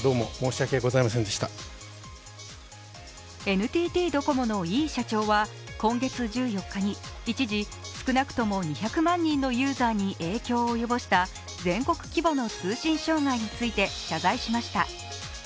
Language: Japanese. ＮＴＴドコモの井伊社長は今月１４日に一時、少なくとも２００万人のユーザーに影響を及ぼした全国規模の通信障害について謝罪しました。